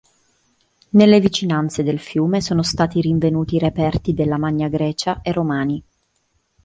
Nelle vicinanze del fiume sono stati rinvenuti reperti della Magna Grecia e Romani.